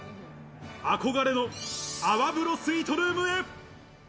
憧れの泡風呂スイートルームへ。